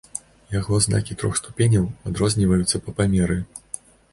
Яго знакі трох ступеняў адрозніваюцца па памеры.